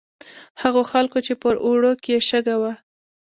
هغو خلکو چې په اوړو کې یې شګه وه.